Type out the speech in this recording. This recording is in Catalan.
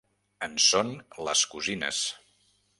En són les cosines.